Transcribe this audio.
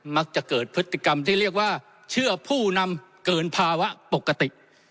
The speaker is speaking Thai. มักจะเกิดพฤติกรรมที่เรียกว่าเชื่อผู้นำเกินภาวะปกติ